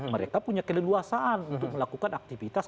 mereka punya keleluasaan untuk melakukan aktivitas